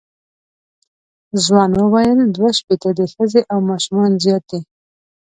ځوان وویل دوه شپېته دي ښځې او ماشومان زیات دي.